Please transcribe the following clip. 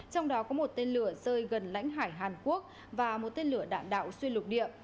trong đó có một tên lửa rơi gần lãnh hải hàn quốc và một tên lửa đạn đạo xuyên lục địa